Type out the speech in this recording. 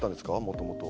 もともと。